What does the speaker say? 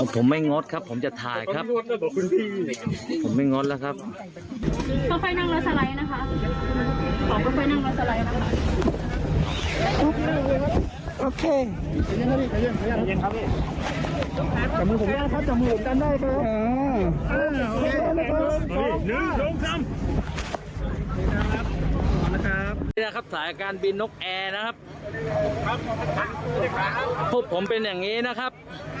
สายการบินนกแอร์นะครับครับผมเป็นอย่างงี้นะครับ